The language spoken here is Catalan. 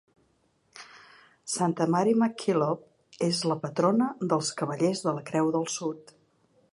Santa Mary MacKillop és la patrona dels Cavallers de la Creu del Sud.